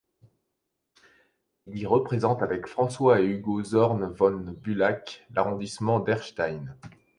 Il y représente avec François et Hugo Zorn von Bulach l'arrondissement d'Erstein.